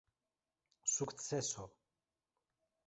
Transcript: sukceso